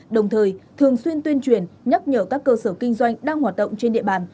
đồng thời thường xuyên tuyên truyền nhắc nhở các cơ sở kinh doanh đang hoạt động trên địa bàn